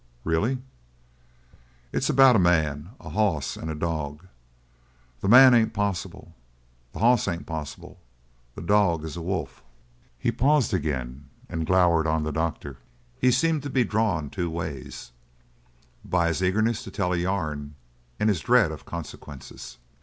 "Really!" "It's about a man and a hoss and a dog. The man ain't possible, the hoss ain't possible, the dog is a wolf." He paused again and glowered on the doctor. He seemed to be drawn two ways, by his eagerness to tell a yarn and his dread of consequences.